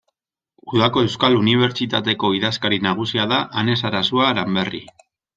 Udako Euskal Unibertsitateko idazkari nagusia da Ane Sarasua Aranberri.